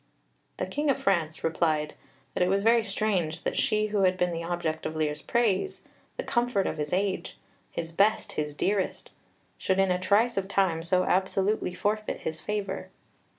The King of France replied that it was very strange that she who had been the object of Lear's praise, the comfort of his age his best, his dearest should in a trice of time so absolutely forfeit his favour.